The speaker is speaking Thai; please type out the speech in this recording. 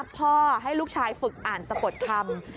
ให้ลูกชายฝึกอ่านสะกดคำ